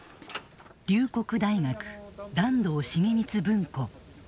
龍谷大学團藤重光文庫。